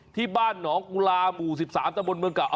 ที่บ้านหงุลาหมู่๑๓ท่านบลเมืองเกราะ